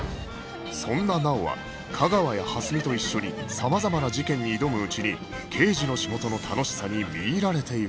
そんな直央は架川や蓮見と一緒に様々な事件に挑むうちに刑事の仕事の楽しさに魅入られていく